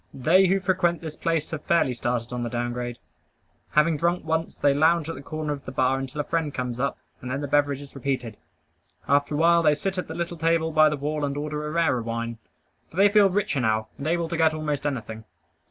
They who frequent this place have fairly started on the down grade. Having drunk once, they lounge at the corner of the bar until a friend comes up, and then the beverage is repeated. After a while they sit at the little table by the wall and order a rarer wine; for they feel richer now, and able to get almost anything.